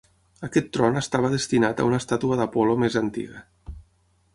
Aquest tron estava destinat a una estàtua d'Apol·lo més antiga.